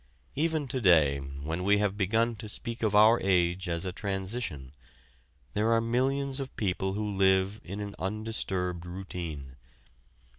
Even to day when we have begun to speak of our age as a transition, there are millions of people who live in an undisturbed routine.